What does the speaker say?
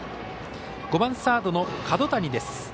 ５番サードの角谷です。